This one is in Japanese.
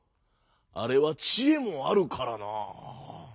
あれはちえもあるからな」。